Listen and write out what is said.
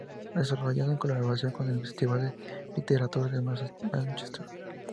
Desarrollado en colaboración con el Festival de Literatura de Mánchester.